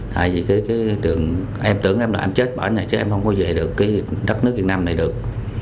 tại vì cái đường em tưởng em là em chết bỏ nhà chết em không có về được cái đất nước việt nam này được